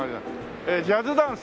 えジャズダンス。